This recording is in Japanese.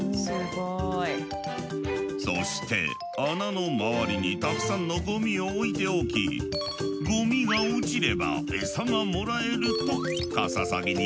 そして穴の周りにたくさんのゴミを置いておきゴミが落ちれば餌がもらえるとカササギに教え込んだのだ。